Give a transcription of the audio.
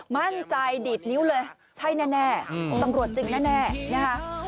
มั่นใจดีดนิ้วเลยใช่แน่ตำรวจจริงแน่นะคะ